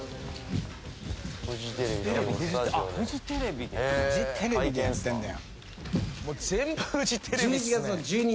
フジテレビでやってんだよ。